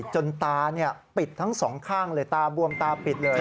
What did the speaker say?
จนตาปิดทั้งสองข้างเลยตาบวมตาปิดเลย